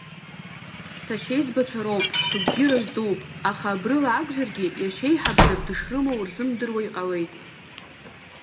Сашьеиҵбацәа роуп, сыгәгьы рыздууп, аха абрыла акәзаргьы, иашьеиҳабӡак дышрымоу рзымдыруа иҟалеит…